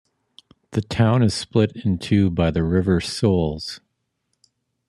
The town is split in two by the river Seulles.